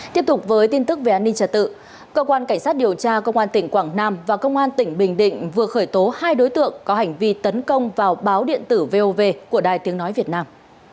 tiếp tục với tin tức về an ninh trật tự cơ quan cảnh sát điều tra công an tỉnh quảng nam và công an tỉnh bình định vừa khởi tố hai đối tượng có hành vi tấn công vào báo điện tử vov của đài tiếng nói việt nam